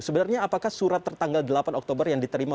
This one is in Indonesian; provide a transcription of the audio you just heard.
sebenarnya apakah surat tertanggal delapan oktober yang diterima